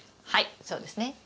はいそうですね。